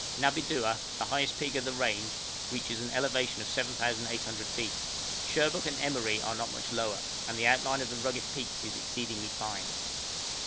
Nabidua, the highest peak of the range, reaches an elevation of 7,800 feet; Sherbuk and Emeri are not much lower, and the outline of the rugged peaks is exceedingly fine.